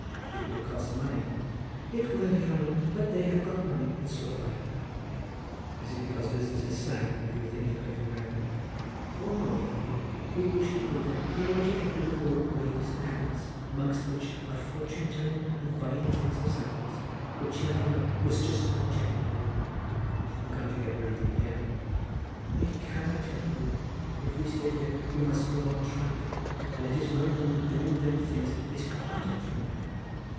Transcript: "It will cost money." "It will, yere hanner; but they have got money, and so have I." "Is it because business is slack that you are thinking of going to America?" "O no, yere hanner; we wish to go there in order to get rid of old ways and habits, amongst which are fortune telling and buying things of sarvants, which yere hanner was jist now checking me wid." "And can't you get rid of them here?" "We cannot, yere hanner. If we stay here we must go on tramping, and it is well known that doing them things is part of tramping."